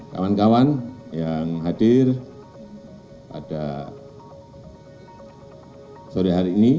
kawan kawan yang hadir pada sore hari ini